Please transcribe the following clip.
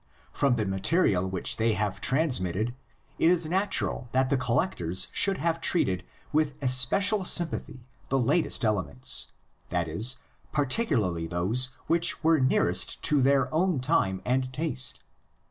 From the material which they have transmitted it is natural that the collectors should have treated with especial sympathy the latest elements, that is, particularly those which were nearest to their own time and taste.